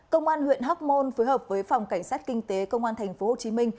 công an huyện hóc môn phối hợp với phòng cảnh sát kinh tế công an tp hcm